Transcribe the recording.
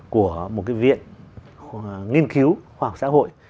của một viện nghiên cứu khoa học xã hội